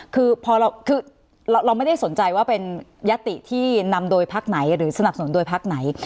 คือพอเราคือเราไม่ได้สนใจว่าเป็นยติที่นำโดยพักไหนหรือสนับสนุนโดยพักไหน